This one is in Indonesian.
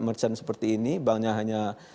merchant seperti ini banknya hanya